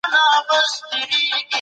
کلتوري ډیپلوماسي هم روانه وه.